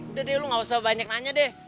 udah deh lu gak usah banyak nanya deh